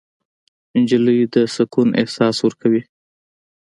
نجلۍ د سکون احساس ورکوي.